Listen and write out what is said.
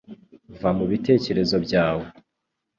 va mu bitekerezo bya we